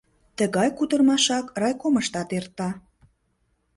Тыгай кутырымашак райкомыштат эрта.